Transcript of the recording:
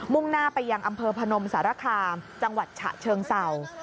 ่งหน้าไปยังอำเภอพนมสารคามจังหวัดฉะเชิงเศร้า